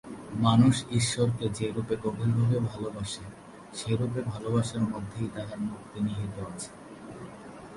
মানুষ ঈশ্বরকে যেরূপে গভীরভাবে ভালবাসে, সেরূপে ভালবাসার মধ্যেই তাহার মুক্তি নিহিত আছে।